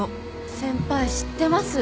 先輩知ってます？